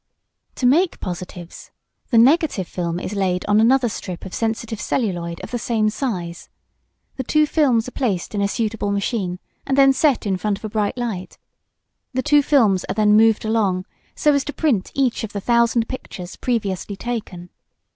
To make positives, the negative film is laid on another strip of sensitive celluloid of the same size. The two films are placed in a suitable machine, and then set in front of a bright light. The two films are then moved along so as to print each of the thousands of pictures previously taken.